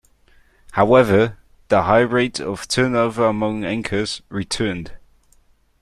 However, the high rate of turnover among anchors returned.